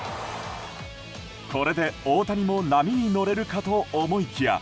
これで大谷も波に乗れるかと思いきや